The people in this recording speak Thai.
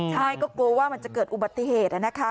ใช่ก็กลัวว่ามันจะเกิดอุบัติเหตุนะคะ